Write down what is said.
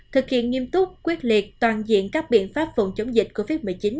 thực hiện nghiêm túc quyết liệt toàn diện các biện pháp phòng chống dịch covid một mươi chín